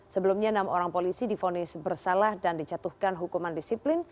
sebelumnya enam orang polisi difonis bersalah dan dijatuhkan hukuman disiplin